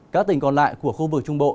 các tỉnh còn lại của khu vực trung bộ